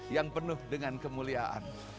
yang penuh dengan kemuliaan